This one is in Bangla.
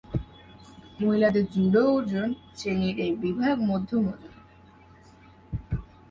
মহিলাদের জুডো ওজন শ্রেণীর এই বিভাগ মধ্যম ওজনের।